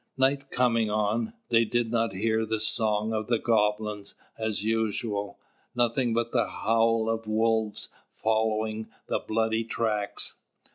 Night coming on, they did not hear the songs of the goblins as usual, nothing but the howl of wolves following the bloody tracks.